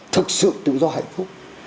thực sự tự do hạnh phúc